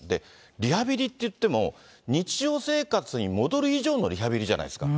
リハビリっていっても、日常生活に戻る以上のリハビリじゃないですか。